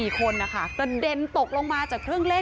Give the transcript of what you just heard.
๔คนนะคะกระเด็นตกลงมาจากเครื่องเล่น